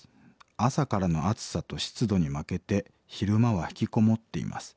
朝からの暑さと湿度に負けて昼間はひきこもっています。